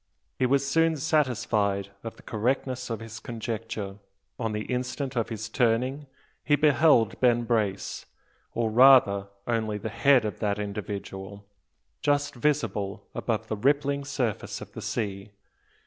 He was soon satisfied of the correctness of his conjecture. On the instant of his turning he beheld Ben Brace, or rather, only the head of that individual, just visible above the rippling surface of the sea.